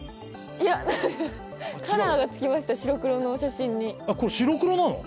いやカラーが付きました白黒の写真にあっこれ白黒なの？